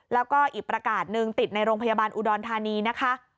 แล้วก็อีกประกาศหนึ่งติดในโรงพยาบาลอุดรธานีนะคะ